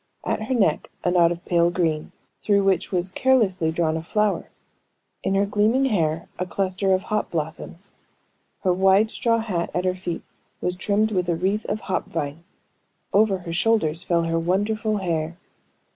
At her neck a knot of pale green, through which was carelessly drawn a flower; in her gleaming hair a cluster of hop blossoms; her wide straw hat at her feet was trimmed with a wreath of hop vine; over her shoulders fell her wonderful hair.